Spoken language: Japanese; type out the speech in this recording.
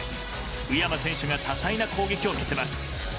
宇山選手が多彩な攻撃を見せます。